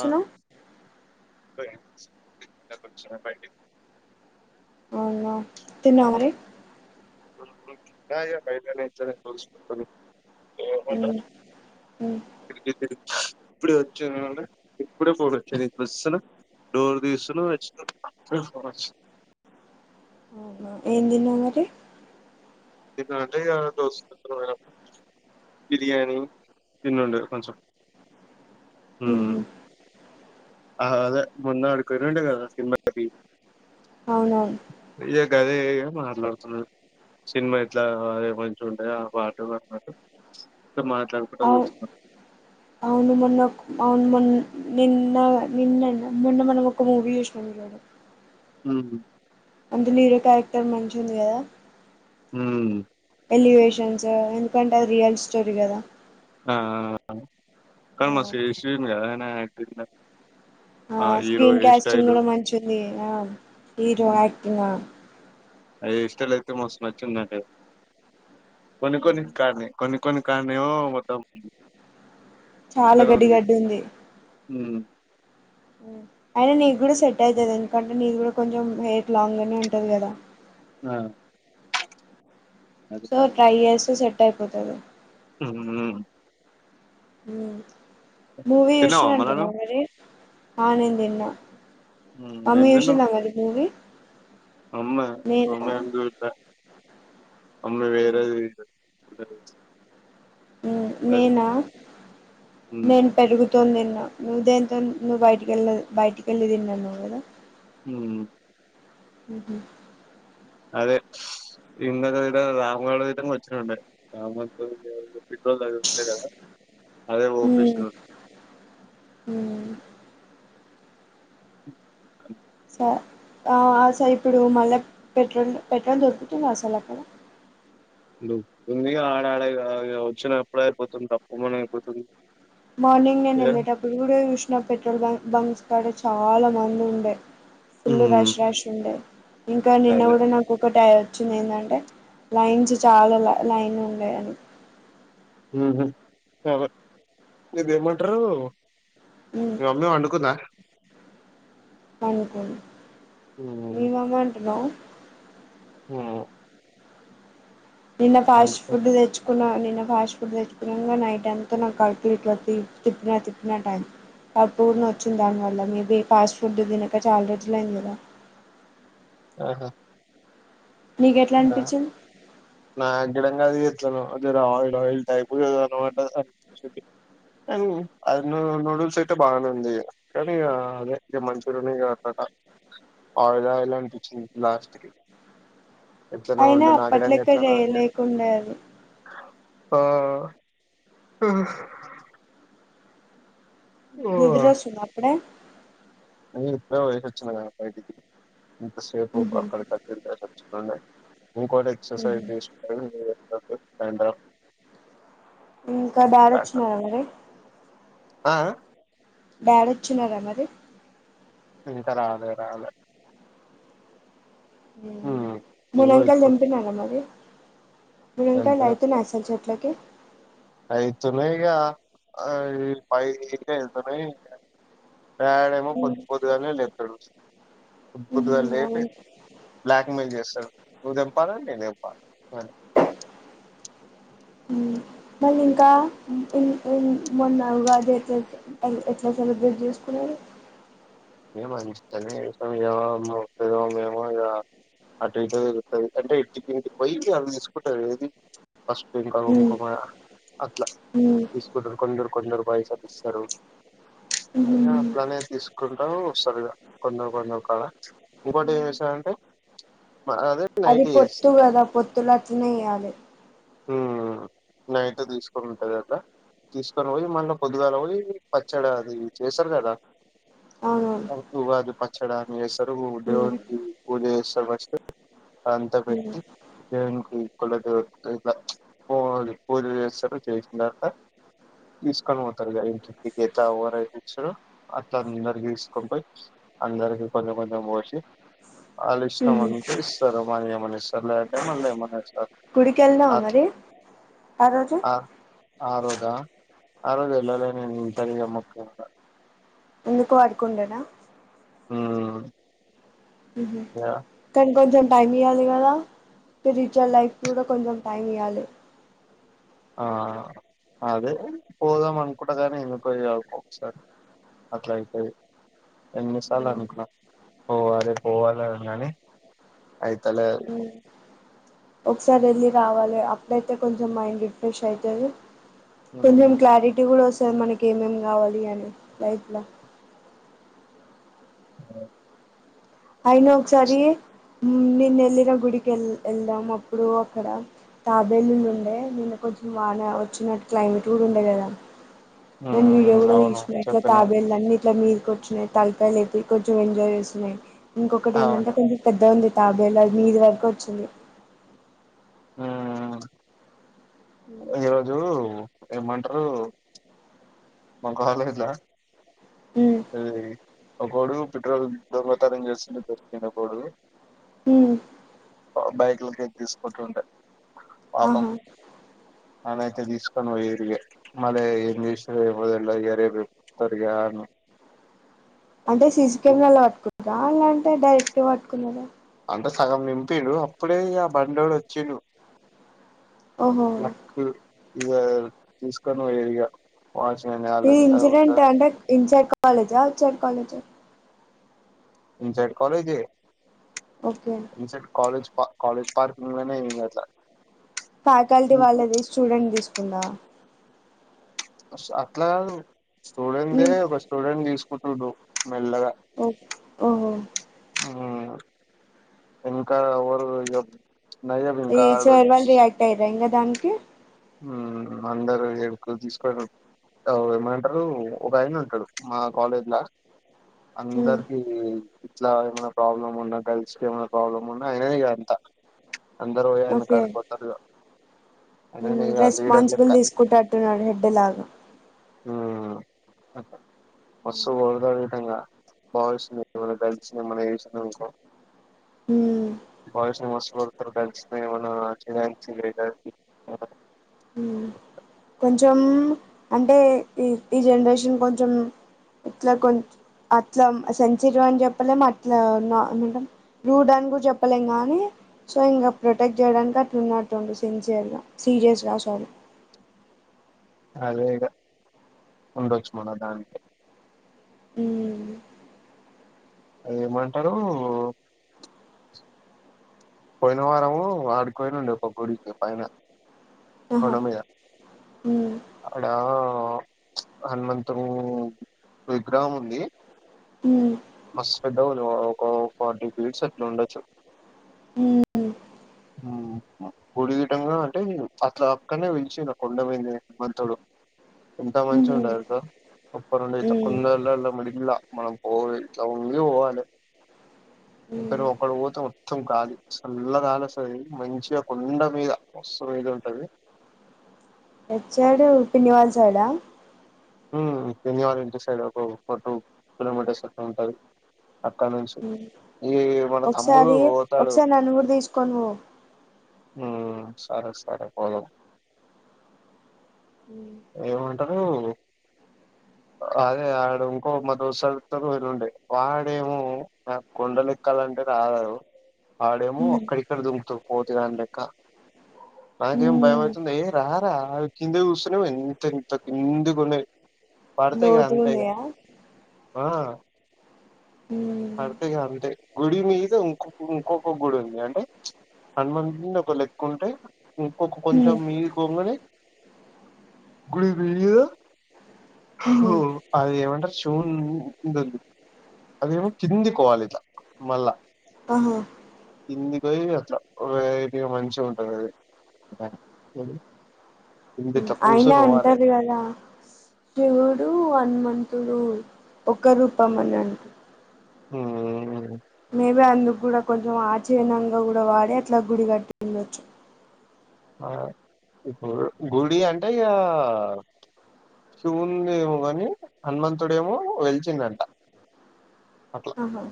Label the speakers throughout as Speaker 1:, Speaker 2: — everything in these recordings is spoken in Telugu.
Speaker 1: ఆ [unintelligible]
Speaker 2: అవునా తిన్నావమరి
Speaker 1: యయా [unintelligible]
Speaker 2: మ్మ్ మ్మ్
Speaker 1: ఇప్పుడు వచ్చింద ఇప్పుడే పోడొచ్చ ని బసులో డోర్ తెస్తున నవ్ వచ్చావ్
Speaker 2: అవునా ఏం దిన్నర్
Speaker 1: తిన్న అంటే ఇగ ధోస్ శుక్రవారం బిర్యాణి తినండి కొంచం
Speaker 2: హ్మ్
Speaker 1: ఆ అదే మొన్న అడికిపోయినుండే కదా సినిమాకి
Speaker 2: అవునవును
Speaker 1: ఇగ గదే మాట్లాడుతున్నాం సినిమా ఇట్లా అ మంచిగా ఉంటయో ఆ పాటలు అన్నారు
Speaker 2: అవు అవును మనకు అవును మన్ నిన్న నిన్నన మొన్న మనం ఒక మూవీ చూసాం చూడు
Speaker 1: హు హ్
Speaker 2: అందులో హీరో క్యారెక్టర్ మంచిగుంది కదా
Speaker 1: హుమ్
Speaker 2: ఎలివేషన్సు ఎందుకంటే అది రియల్ స్టోరీ కదా
Speaker 1: ఆ కాని
Speaker 2: ఆ
Speaker 1: మస్తు చేశిండు కద ఆయన యాక్టింగ్
Speaker 2: ఆ
Speaker 1: హీరో హెయిర్
Speaker 2: స్క్రీన్కాస్టింగ్
Speaker 1: స్టైల్
Speaker 2: కూడా మంచిగుంది ఆ హీరో యాక్టింగ్
Speaker 1: అ హెయిర్స్టయిల్ అయితే మస్తు నచ్చింది నాకైతే కొన్ని కొన్ని కాడ్నే కొన్ని కొన్ని కన్నేమో మొత్తం
Speaker 2: చాలా గడ్డి గడ్డి ఉంది
Speaker 1: హు మ్
Speaker 2: అయినా నీకు కూడా సెట్ అయితది ఎందుకంటే నీది కూడా కొంచెం హెయిర్ లాంగ్ గానే ఉంటది కదా
Speaker 1: ఆ అదే
Speaker 2: సో ట్రై చేస్తె సెట్ అయిపోతది
Speaker 1: హ్మ్
Speaker 2: హుమ్ మూవీ
Speaker 1: తిన్నావా మల్ల
Speaker 2: చూసిరంటన
Speaker 1: నువ్
Speaker 2: ఆమెది ఆ నిన్ తిన్న అమ్మ
Speaker 1: ఏం తిన్నావ్
Speaker 2: చూసిందా మరి మూవీ
Speaker 1: అమ్మ
Speaker 2: నేనా
Speaker 1: అమె
Speaker 2: హ్మ్.
Speaker 1: ఎదు [inaudible] త అమ్మ వేరది [unintelligible]
Speaker 2: హు నేనా
Speaker 1: ఉమ్
Speaker 2: నేను పెరుగు తోన్ తిన్న నువు దేంతోన్ నువ్ బయటికెళ్ళి బయటికేల్లి తిన్ననవు కదా
Speaker 1: హ్మ్
Speaker 2: మ్ హు
Speaker 1: అదే ఇందక గిడ రామ గాడు గిటం వచ్చినుండే రామ్ గన్ తోన్ పెట్రోల్ [unintelligible] అదే పోపిచ్చిన
Speaker 2: హు మ్
Speaker 1: అమ్
Speaker 2: స ఆ అసల్ ఇప్పుడు మళ్ళ పెట్రోల్ పెట్రోల్ దొరుకుతుంద అసలు అక్కడ
Speaker 1: దొరుకుతుంది ఆడడ ఇగ ఇగ వచ్చినప్పుడే అయిపోతుంది టప్పుమని అయిపోతుంది
Speaker 2: మార్నింగ్ నేను
Speaker 1: ఏ?
Speaker 2: వెళ్ళేటప్పుడు కూడా చూసిన పెట్రోల్ బంక్ బంక్స్ కాడ చాలా మంది ఉండే ఫుల్లు
Speaker 1: ఉమ్
Speaker 2: రాష్ రాష్ ఉండే ఇంకా నిన్న
Speaker 1: అదే
Speaker 2: కూడా నాకొకటి ఆ చింది ఏందంటే లైన్స్ చాలా లై లైన్ ఉండయని
Speaker 1: హ్మ్ సరే ఇదేమంటరు మీ మమ్మీ పండుకుందా
Speaker 2: పండుకుంది మీ మమ్మీ అంటున్నవ్
Speaker 1: హు అ
Speaker 2: నిన్న ఫాస్ట్ ఫుడ్ తెచ్చుకో కున్న నిన్న ఫాస్ట్ ఫుడ్ తెచ్చుకున్నా గ నైటంత నాకు కడుపుల ఇట్లా తిప్ తిప్పిన తిప్పినటైంది కడుపు కూడ నొచ్చింది దానివల్ల మీబీ ఫాస్ట్ ఫుడ్ తినక చాలా రోజుల అయింది కదా
Speaker 1: ఆహా
Speaker 2: నీకు ఎట్లా
Speaker 1: అ
Speaker 2: అనిపించింది
Speaker 1: నా గిడం గాది అది జర్ర జర్ర ఆయిల్ ఆయిల్ టైపుగ కనబడ్డది కానీ అది ను నూడిల్స్ అయితే బాగనే ఉంది కానీ అదే ద మంచూరియనే ఆట్టట
Speaker 2: బ్లాంక్
Speaker 1: ఆయిలాయిల్ అనిపించింది లాస్టుకి ఎట్లనో
Speaker 2: అయినా
Speaker 1: ఉండే నాకడానికి
Speaker 2: అప్పట్లెక్క
Speaker 1: ఎట్లనో
Speaker 2: చేయలేకుండే అది
Speaker 1: ఆ
Speaker 2: నిద్రోచ్చుదా అప్పుడే
Speaker 1: అయిన ఇప్పుడే పోయేసోచ్చిన కదా బయిటికి ఇంతసేపు
Speaker 2: ఉహు
Speaker 1: అక్కడి ఇక్కడ తిరిగేసోచ్చి ఉండే ఇంకోటి
Speaker 2: ఉహు
Speaker 1: ఎక్ససైజ్ చేసుకొని [inaudible]
Speaker 2: ఇంకా డాడి వచ్చినార మరి
Speaker 1: ఆఆ
Speaker 2: డాడొచ్చినర మరి
Speaker 1: ఇంకా రాలే రాలే
Speaker 2: హుమ్
Speaker 1: హ్మ్ ఇగో
Speaker 2: మూలంకాయలు
Speaker 1: ఇప్పుడు
Speaker 2: తింపినవ మరి మునంకాయలు అయితున్నాయా అసలు చెట్లకి
Speaker 1: ఇయితుననై ఇగ [unintelligible] మా డాడీ ఏమో పొద్దు పొద్దు గాలనే లేప్తడు ద్దు
Speaker 2: ఉహు
Speaker 1: పొద్దుగాల లేపి
Speaker 2: అవును
Speaker 1: బ్లాక్ మెయిల్ చేస్తాడు నువ్వు తెంపాల నేను తెం సరే
Speaker 2: ఉమ్ మళ్ళీ ఇంకా ఉ ఎన్ ఎన్ మొన్న ఉగాది ఎట్లా ఎల్ ఎట్లా సెలబ్రేట్ చేసుకున్నారు
Speaker 1: మేము మంచిగానే చేసినం ఇగ మా పెద్దమమ్మి ఏమో ఇగ అటు ఇటు తిరుగుతది అంటే ఇంటింటికి పోయి అవి తీసుకుంటది ఏది పసు ఇంకా
Speaker 2: ఉమ్
Speaker 1: కుంకుమ అట్లా
Speaker 2: ఉమ్
Speaker 1: తీసుకుంటరు కొందరు కొందరు పైసలు ఇస్తరు
Speaker 2: ఉహు
Speaker 1: ఇగ అట్లనే తీసుకుం ఎప్పుడో వస్తరిగా కొందరు కొందరు కాడా ఇంకోటి ఏం చేస్తారాంటే
Speaker 2: అది పొత్తు కదా పొత్తుల అట్లనే చెయ్యాలే
Speaker 1: ఉమ్ నైట్ తీసుకొని ఉంటాదాట తీసుకొని పోయి మళ్ళ పొద్దుగాల పోయి పచ్చడ అది చేస్తరు కదా
Speaker 2: అవునవును
Speaker 1: ఆ ఉగాది పచ్చడాని చేస్తరు
Speaker 2: ఉమ్
Speaker 1: దేవునికి పూజ చేస్తరు ఫస్టు ఆడ అంత
Speaker 2: ఉమ్
Speaker 1: పెట్టి దేవునికి కులదే ఇట్ల పూల్ పూజ చేస్తరు చేసినతరువాత తీసుకొని పోతారిగ ఇంటింటికి ఇట్ల ఎవరైతే ఇచ్చుడో అట్లా అందరికి తీసుకొని పోయి అందరికి కొంచెం కొంచెం పోసి వాళ్ళ ఇష్టం
Speaker 2: ఉహు
Speaker 1: ఉంటే ఇస్తారు వాళ్లెమ్మనిస్తారు లేదంటే మళ్ళీ ఏమనిచ్చారు
Speaker 2: గుడికి ఎళ్దామా మరి ఆ రోజూ
Speaker 1: ఆ రోజా ఆరోజు వెళ్ళలే నేన్ ఇంట్లనే ఇగ మొక్కిండ
Speaker 2: ఎందుకు వర్క్ ఉండేన
Speaker 1: ఉమ్
Speaker 2: ఉహు
Speaker 1: ఇగ
Speaker 2: కానీ కొంచెం టైం ఇయ్యాలి కదా ఫిరిచల్ లైఫ్కి కూడా కొంచెం టైం ఇయ్యాలే
Speaker 1: ఆ అదే పోదాం అనుకుంటా కానీ ఎందుకో ఇగ ఒకొక్సారి అట్ల అయితయి ఎన్నిసార్లు అనుకున్నా పోవాలే పోవాలే అని గని అయితలే అది
Speaker 2: ఒకసారి ఎళ్ళి రావాలే అప్పుడైతే కొంచెం మైండ్ రిఫ్రెష్ అయితది
Speaker 1: ఉమ్
Speaker 2: కొంచెం క్లారిటీ కూడా వస్తది మనకి ఏమేం కావాలి అని లైఫ్ల
Speaker 1: ఆ
Speaker 2: అయిన ఒక్సారి నిన్న ఎళ్ళిన గుడికి ఎ ఎల్దం అప్పుడు అక్కడ తాబేలులుండే నిన్న కొంచెం వాన వచ్చినట్టు క్లైమేట్ కూడా ఉండే కదా నేను వీడియో
Speaker 1: ఉమ్
Speaker 2: కూడా
Speaker 1: అవును
Speaker 2: తీసినా ఇట్ల
Speaker 1: చెప్పినవ్
Speaker 2: తాబేలులన్నీ త్తం మీదకొచ్చినయి తలకాయలేపి కొంచెం ఎంజాయ్ చేస్తున్నాయి ఇంకొకటి ఎందంటే
Speaker 1: అవును
Speaker 2: కొంచెం పెద్దగుంది తాబేలు అది మీద వరకొచ్చింది
Speaker 1: ఆ ఈరోజు ఏమ్మంటరు మ కాలేజీల
Speaker 2: మ్మ్
Speaker 1: ఇదీ ఒకడు పెట్రోల్ దొంగతానం చేస్తుంటె దొరికిండోకడు
Speaker 2: హ్మ్
Speaker 1: బైక్లకేని తీసుకుంటుండే
Speaker 2: ఆహా
Speaker 1: వాళ్ళయితే తీసుకొనిపోయిరిగ మల్లెంచేసిరో ఓయమ్మ ఇయాలా రేపు చెప్తరు ఇగ
Speaker 2: అంటే సీసీ కెమెరాలో పట్టుకున్నార లేదంటే డైరెక్ట్ గ పట్టుకున్నారా
Speaker 1: అంటే సగం నింపిండ్రు అప్పుడే ఇగ ఆ బండిఓడు వచ్చిండు
Speaker 2: ఓహో
Speaker 1: లక్ ఇగా తీసుకొని పోయేరిగా
Speaker 2: ఈ ఇన్సిడెంట్ అంటే ఇన్సైడ్ కాలేజా ఆ అవుట్ సైడ్ కాలేజా
Speaker 1: ఇన్సైడ్ కాలజి ఏ
Speaker 2: ఓకే
Speaker 1: ఇన్సైడ్ కాలజ్ కాలేజ్ పార్క్ంగ్నేలనే ఉందియట్ల
Speaker 2: ఫ్యాకల్టీ వాళ్ళది స్టూడెంట్ తీసుకుందా
Speaker 1: అట్లాగాదు స్టూడెంట్ దే
Speaker 2: మ్మ్
Speaker 1: ఒక స్టూడెంట్ తీసుకుంటుండు మెల్లగా
Speaker 2: ఓ ఓహో
Speaker 1: మ్మ్ ఇంకా ఎవరు ఇగ నయం
Speaker 2: ఈ
Speaker 1: ఇంకా ఆడు
Speaker 2: స్టోర్ వాళ్ళ రియాక్ట్ అయిరా ఇంకా దానికి
Speaker 1: హ్మ్ అందరు ఎడుకో తీసుకోరూ అవు ఏమనింటారు ఒక ఆయన ఉంటాడు మా కాలేజ్ ల
Speaker 2: మ్మ్
Speaker 1: అందరకి ఇది ఇట్లా ఏమైనా ప్రాబ్లమ్ ఉన్నంకా గర్ల్స్ ఏమైన ప్రాబ్లమ్ ఉన్నా ఆయనే ఇగ అంత అందరు పోయి ఆయన
Speaker 2: ఓకే
Speaker 1: కట్ పోతారు ఆయననే ఇగ లీడర్
Speaker 2: రెస్పాన్సిబుల్
Speaker 1: లెక్క
Speaker 2: తీసుకుంటేటున్నాడు హెడ్ లాగా
Speaker 1: హ్మ్ మాస్తు [unintelligible] బద ఇంగ బాయ్స్ ని మన గర్ల్స్ ని ఎమ్మాన్నాచేసినావు అనుకో
Speaker 2: మ్మ్
Speaker 1: బాయ్స్ మస్తు కొడతరు గర్ల్స్ కి ఏమనరు [unintelligible]
Speaker 2: హ్మ్ కొ చం అంటే ఎ ఈ ఈ జనరేషన్ కొంచెం ఇట్లా కొం అట్లామ్ సెన్సిటివ్ అని చెప్పలేమ అట్లా నా ఏమంటాం రూడ్డని చెప్పలేం గానీ సో ఇంకా ప్రొటెక్ట్ చేయడానికి అట్లున్నట్టుంది సిన్సియర్గా సీరియస్గా సారీ
Speaker 1: అదే ఇగ ఉండొచ్చు మళ్ళ దానికే
Speaker 2: హ్మ్
Speaker 1: ఏమంటరూ పోయిన వారము ఆడికిపోయిలుండే ఒక గుడికి పైన కొండమీద
Speaker 2: హ్మ్
Speaker 1: ఆడా ప్చ్ హనుమతుని విగ్రహం ఉంది
Speaker 2: హ్మ్మ్
Speaker 1: మస్తు పెద్దగా వుంది మా ఒక్క ఫార్టీ కేజీస్ అట్లా ఉండచ్చు
Speaker 2: హ్మ్
Speaker 1: హ్మ్ మ గుడి విటంగా అంటే అట్లా పక్కనే పలిచిరు కొండమీదనే హమంతుడు ఎంత మంచిగ
Speaker 2: ఉహు
Speaker 1: ఉండే తెలుసా సుప్పర్ ఉండేది
Speaker 2: ఉమ్
Speaker 1: కొండలాలమునిగిల్లా మనం పోయి ఇట్లా వొంగి పోవాలె
Speaker 2: ఉమ్
Speaker 1: ఇద్దలో ఒకడు పోత మొత్తం గాలి చల్ల గాలి ఒస్తది మంచిగా కొండ మీద మస్తు వేగా ఉంటది
Speaker 2: ఎట్ సైడు పులివెందుల సైడా
Speaker 1: హ్మ్ పిన్ని వాళ్ళ ఇంటి సైడ్ ఒక ఫోర్ టూ కిలోమీటర్స్ అట్లా ఉంటది అక్కడ నుంచి
Speaker 2: హ్మ్
Speaker 1: ఈ మన తమ్ముడు
Speaker 2: ఒకసారి
Speaker 1: పోతాడు
Speaker 2: ఒకసారి నన్నుకూడా తీసుకోని పో
Speaker 1: హ్మ్ సరే సరే పోదాం ఏమంటరు అదే వాడు ఇంకో మా దోస్తాలతో వెళ్లుండే వాడేమో మ కొండలేక్క కల అంటే రాలేదు వాడేమో
Speaker 2: ఉమ్
Speaker 1: అక్కడిక్కడ దుర్ముతుర్రు పోతి దాని లెక్క నాకేం
Speaker 2: ఉమ్
Speaker 1: భయమవుతుంది ఏ రా రా కింద చూస్తునవ్వు ఎంత ఎంత కిందికి కున్నాయి. పడతే ఇగ
Speaker 2: లోతుగా
Speaker 1: అంతె ఇగ
Speaker 2: ఉన్నాయా
Speaker 1: ఆ
Speaker 2: ఉమ్
Speaker 1: పడితే ఇగ అంతే గుడి మీద ఇంకొ ఇంకొక గుడి ఉంది అంటే ఇచ్ హనుమంతని ఒక లెక్క ఉంటే ఇంకొక
Speaker 2: ఉమ్
Speaker 1: కొంచెం మీరు పోంగనే గుడికి వెయ్యొ
Speaker 2: ఉహు
Speaker 1: అది ఏమంటారు శివున్ని దగ్ అదేమో కిందికోవాలి ఇట్లా మళ్ళా
Speaker 2: ఆహా
Speaker 1: కిందికోయి అట్లా వెరైటీగ మంచి ఉంటంది అది [unintelligible] కింద ఇట్లా
Speaker 2: అయినా
Speaker 1: కూర్చొని పోవాలే
Speaker 2: అంటారు కదా శివుడు, హనుమంతుడు ఒక రూపంమని అన్
Speaker 1: ఊ
Speaker 2: మేబి అందుకు కూడా కొంచెం ఆచరణంగా కూడా వాడి అట్లా గుడి కట్టినారు.
Speaker 1: ఆ ఇప్పుడు గుడి అంటే ఇగా శివుంది ఏమో గాని హనుమంతుడుమో వెలిచిందంట.
Speaker 2: ఆహా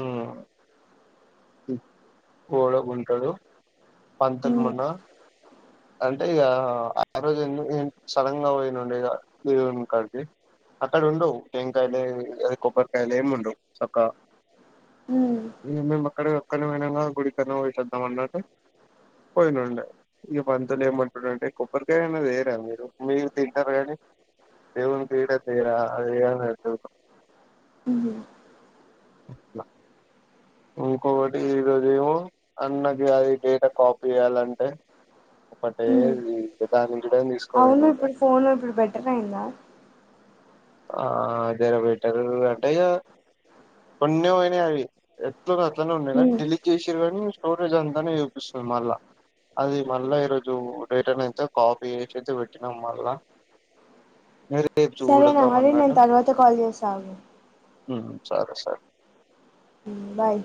Speaker 1: ఉ గోడ గుంటలు పంతుల్
Speaker 2: ఉమ్
Speaker 1: మున్న అంటే ఇగా ఆరోజు ఎ సడన్ గా వోయినుండే ఇగా దేవుని కాడికి అక్కడ ఉండవు టెంకాయలు కొబ్బరికాయలు ఏమి ఉండవు సక్కా
Speaker 2: ఉమ్
Speaker 1: మేమ్ మేమ్ అక్కడ ఒక్కనే ఉన్నానుగా గుడికన్న పోయేసద్దాం అన్నట్ పోయినండి ఈ పంతులు ఏమంటుడంటే కొబ్బరికాయ అన్నా దేరా మీరు మీరు తింటారు కానీ దేవునుకి [unintelligible]
Speaker 2: ఉహు
Speaker 1: అట్లా ఇంకొకటి ఈరోజేమో అన్నకి అది డేటా కాపీ ఇయాలంటే ఒకటే
Speaker 2: ఉమ్
Speaker 1: విధానించడే
Speaker 2: అవును
Speaker 1: తీసుకోలేందంటే
Speaker 2: ఇప్పుడు ఫోన్ ఇప్పుడు బెటర్ అయిందా
Speaker 1: ఆ అదే వీటల్ అంటే తొన్నమనివి ఎట్ల ఉన్నాయ్ అట్లనే ఉన్నాయి కానీ డిలీట్ చేసిరు అని స్టోరేజ్ అంతానే చూపిస్తుంది మల్ల అది మళ్ళా ఈరోజు డేటర్న్ అయితే కాపీ చేసి పెట్టినాము మళ్ళా. మీర్ రేప్ చూడ
Speaker 2: సారి నేను తర్వాత కాల్ చేస్త ఆగు
Speaker 1: ఉ సరే సరే
Speaker 2: బాయ్